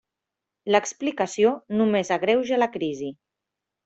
L'explicació només agreuja la crisi.